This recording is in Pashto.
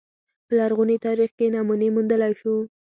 په لرغوني تاریخ کې نمونې موندلای شو